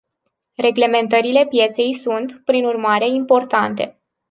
Reglementările pieței sunt, prin urmare, importante.